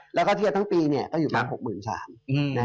เราก็เทียบทั้งปีได้อยู่ประมาณ๖๓๐๐๐